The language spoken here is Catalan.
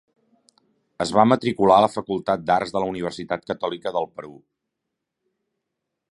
Es va matricular a la Facultat d'Arts de la Universitat Catòlica del Perú.